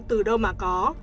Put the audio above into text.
từ đâu mà có